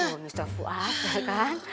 tuh mister fuad ya kan